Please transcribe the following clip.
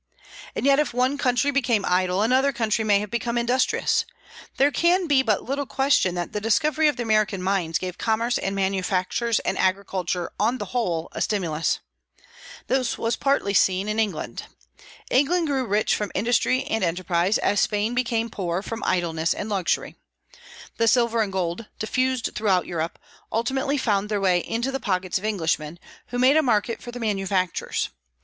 And yet if one country became idle, another country may have become industrious. There can be but little question that the discovery of the American mines gave commerce and manufactures and agriculture, on the whole, a stimulus. This was particularly seen in England. England grew rich from industry and enterprise, as Spain became poor from idleness and luxury. The silver and gold, diffused throughout Europe, ultimately found their way into the pockets of Englishmen, who made a market for their manufactures.